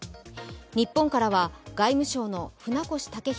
日本からは外務省の船越健裕